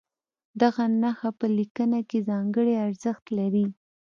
دغه نښې په لیکنه کې ځانګړی ارزښت لري.